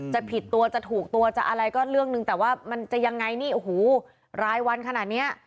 ผิดตัวจะถูกตัวจะอะไรก็เรื่องหนึ่งแต่ว่ามันจะยังไงนี่โอ้โหรายวันขนาดเนี้ย